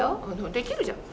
できるじゃん。